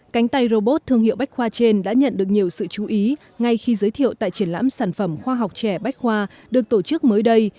cánh tay robot thương hiệu bách khoa trên đã nhận được nhiều sự chú ý ngay khi giới thiệu tại triển lãm sản phẩm khoa học trẻ bách khoa được tổ chức mới đây